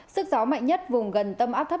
sức gió mạnh nhất vùng gần tâm áp thấp